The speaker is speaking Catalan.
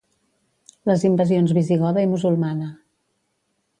Les invasions visigoda i musulmana.